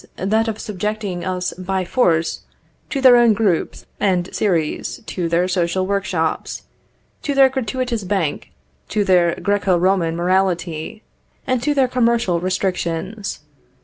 that of subjecting us by force to their own groups and series to their social workshops, to their gratuitous bank to their Græco Romano morality, and to their commercial restrictions.